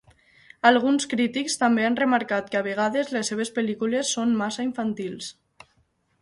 Alguns crítics també han remarcat que a vegades les seves pel·lícules són massa infantils.